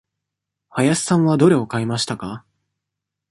林さんはどれを買いましたか。